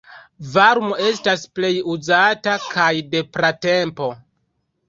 Varmo estas plej uzata, kaj de pratempo.